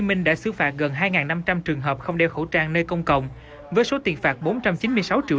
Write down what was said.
minh đã xứ phạt gần hai năm trăm linh trường hợp không đeo khẩu trang nơi công cộng với số tiền phạt bốn trăm chín mươi sáu triệu